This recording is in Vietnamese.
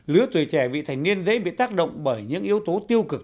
lứa tuổi trẻ vị thành niên dễ bị tác động bởi những yếu tố tiêu cực